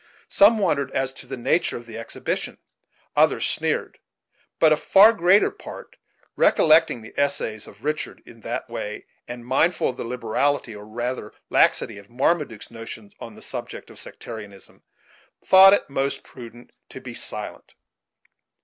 Some wondered as to the nature of the exhibition; others sneered; but a far greater part, recollecting the essays of Richard in that way, and mindful of the liberality, or rather laxity, of Marmaduke's notions on the subject of sectarianism, thought it most prudent to be silent.